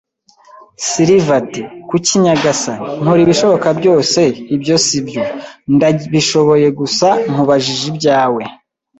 Silver ati: "Kuki, nyagasani, nkora ibishoboka byose, ibyo sibyo." “Ndabishoboye gusa, nkubajije ibyawe